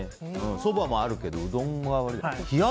そばもあるけど、うどんが割とね。